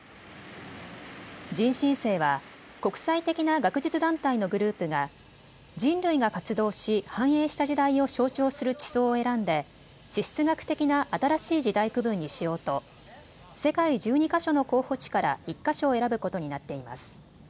人新世は国際的な学術団体のグループが人類が活動し繁栄した時代を象徴する地層を選んで地質学的な新しい時代区分にしようと世界１２か所の候補地から１か所を選ぶことになっています。